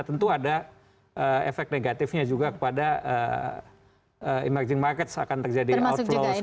tentu ada efek negatifnya juga kepada emerging markets akan terjadi outflow